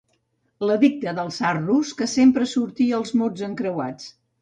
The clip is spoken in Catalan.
L'edicte del tsar rus que sempre sortia als mots encreuats.